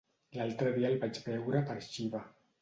L'altre dia el vaig veure per Xiva.